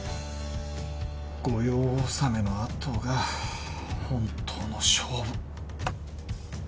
御用納めのあとが本当の勝負。